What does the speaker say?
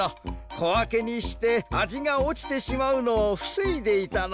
こわけにしてあじがおちてしまうのをふせいでいたのか。